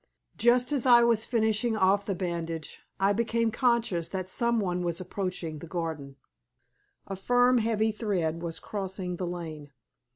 Just as I was finishing off the bandage I became conscious that some one was approaching the garden a firm, heavy tread was crossing the lane.